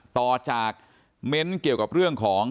ต่อจากเม้นต์เกี่ยวกับเรื่องของ